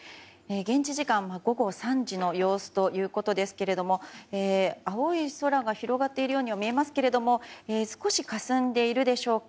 現地時間午後３時の様子ということですけれども青い空が広がっているように見えますが少しかすんでいるでしょうか。